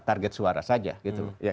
target suara saja gitu